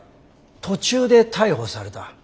途中で逮捕された。